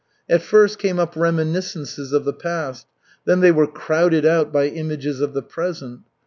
At first came up reminiscences of the past; then they were crowded out by images of the present.